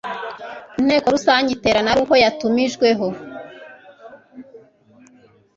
inteko rusange iterana aruko yatumijweho